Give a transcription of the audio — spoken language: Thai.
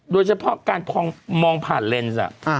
โดยเฉพาะการมองผ่านเลนส์